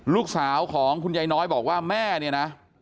ลูกชายของคุณยายน้อยบอกว่าแม่เนี่ยนะ